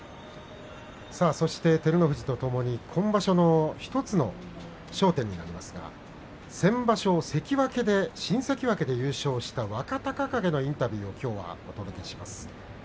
そして照ノ富士とともに今場所の１つの焦点になりますが先場所、新関脇で優勝した若隆景のインタビューをきょうはお届けします。